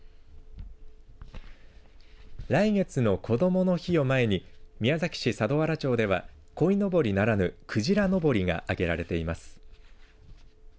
来月のこどもの日を前に宮崎市佐土原町ではこいのぼりならぬくじらのぼりが揚げられています。